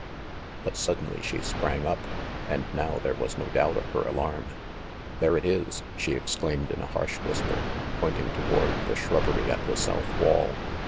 But suddenly she sprang up, and now there was no doubt of her alarm. "There it is!" she exclaimed in a harsH whisper, pointing toward the shrubbery at the south wall.